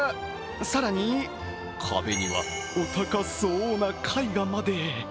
更に、壁にはお高そうな絵画まで。